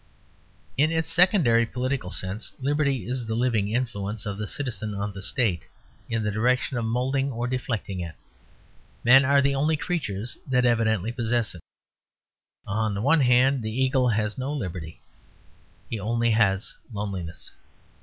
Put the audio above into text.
In its secondary political sense liberty is the living influence of the citizen on the State in the direction of moulding or deflecting it. Men are the only creatures that evidently possess it. On the one hand, the eagle has no liberty; he only has loneliness.